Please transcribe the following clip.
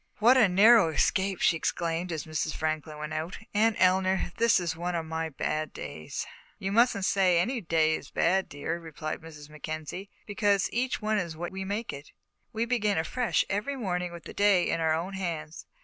"What a narrow escape!" she exclaimed, as Mrs. Franklin went out. "Aunt Eleanor, this is one of my bad days." "You mustn't say any day is bad, dear," replied Mrs. Mackenzie, "because each one is what we make it. We begin afresh every morning with the day in our own hands.